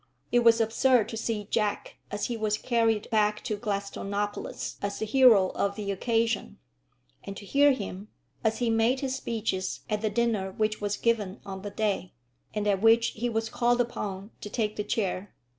It was absurd to see Jack as he was carried back to Gladstonopolis as the hero of the occasion, and to hear him, as he made his speeches at the dinner which was given on the day, and at which he was called upon to take the chair.